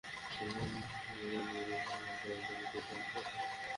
সুন্দরবনের বেশ কয়েকটি জায়গায় দুই দিন ধরে গানটির জন্য দৃশ্যধারণ করা হয়।